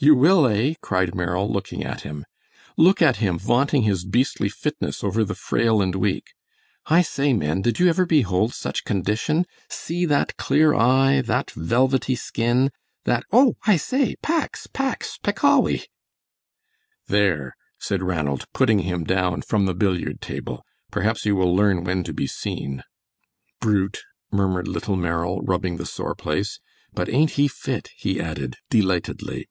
"You will, eh?" cried Merrill, looking at him. "Look at him vaunting his beastly fitness over the frail and weak. I say, men, did you ever behold such condition! See that clear eye, that velvety skin, that Oh, I say! pax! pax! peccavi!" "There," said Ranald, putting him down from the billiard table, "perhaps you will learn when to be seen." "Brute," murmured little Merrill, rubbing the sore place; "but ain't he fit?" he added, delightedly.